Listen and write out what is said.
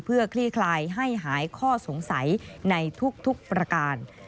เพื่อคลี่คลายให้หายข้อสงสัยในทุกประการ